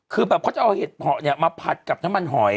คือเขาจะเอาเห็ดเพราะมาผัดกับน้ำมันหอย